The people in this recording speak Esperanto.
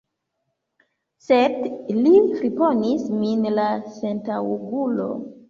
Sed li friponis min, la sentaŭgulo!